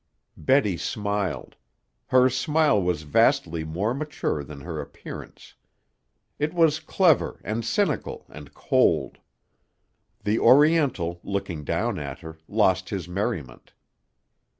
'" Betty smiled. Her smile was vastly more mature than her appearance. It was clever and cynical and cold. The Oriental, looking down at her, lost his merriment.